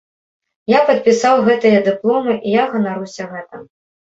Я падпісаў гэтыя дыпломы, і я ганаруся гэтым.